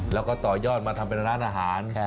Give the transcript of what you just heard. แล้วก็ต่อยอดมาทำเป็นร้านอาหาร